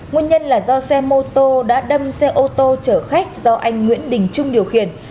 nguyên nhân là do xe mô tô đã đâm xe ô tô chở khách do anh nguyễn đình trung điều khiển